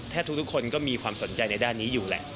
ถ้าทุกคนก็มีความสนใจในด้านนี้อยู่แหละ